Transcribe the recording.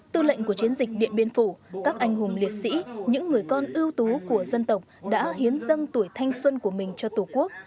tư lệnh của chiến dịch điện biên phủ các anh hùng liệt sĩ những người con ưu tú của dân tộc đã hiến dâng tuổi thanh xuân của mình cho tổ quốc